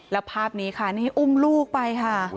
แล้วภาพนี้ค่ะนี่อุ้มลูกไปค่ะ